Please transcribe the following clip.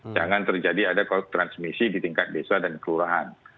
jangan terjadi ada transmisi di tingkat desa dan kelurahan